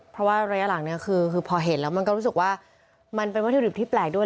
เพราะว่าระยะหลังเนี่ยคือพอเห็นแล้วมันก็รู้สึกว่ามันเป็นวัตถุดิบที่แปลกด้วย